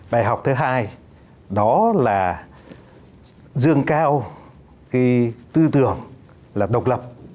bài học thứ hai đó là dương cao tư tưởng lập độc lập